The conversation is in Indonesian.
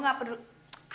udah wih kita masuk